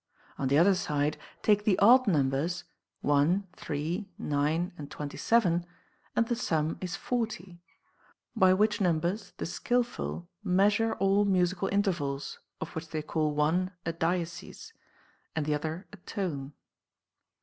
On the other side, take the odd numbers, 1, 3, 9, and 27, and the sum is 40; by which numbers the skilful measure all musical intervals, of which they call one a diesis, and the other a tone.